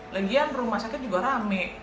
lagian rumah sakit juga rame